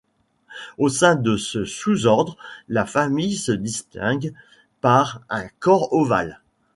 Au sein de ce sous-ordre, la famille se distingue par un corps ovale.